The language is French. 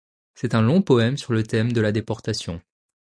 C'est un long poème sur le thème de la déportation.